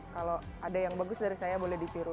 kalau ada yang bagus dari saya boleh ditiru